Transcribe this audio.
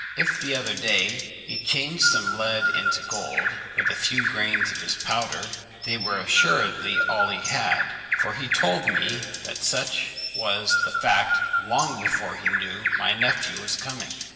If the other day he changed some lead into gold with a few grains of his powder, they were assuredly all he had; for he told me that such was the fact long before he knew my nephew was coming.